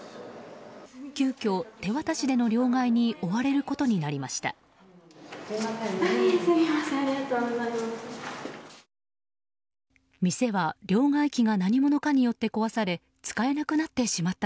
急きょ手渡しでの両替に追われることになりました。